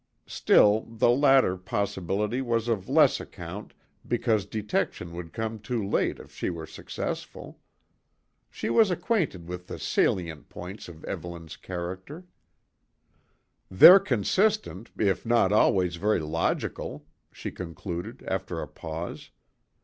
Still, the latter possibility was of less account because detection would come too late if she were successful. She was acquainted with the salient points of Evelyn's character. "They're consistent, if not always very logical," she concluded after a pause.